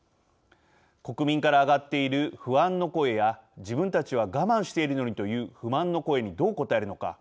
国民から上がっている不安の声や自分たちは我慢しているのにという不満の声にどう応えるのか。